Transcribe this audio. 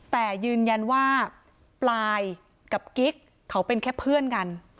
แต่ยืนยันว่าปลายกับกิ๊กเขาเป็นแค่เพื่อนกัน